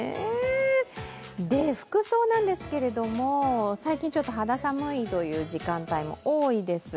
服装なんですけれども最近、肌寒いという時間帯も多いです。